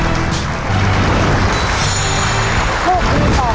ตอบถูก๓ข้อรับ๑๐๐๐๐๐๐บาท